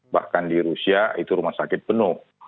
bahkan di rusia itu rumah sakit penuh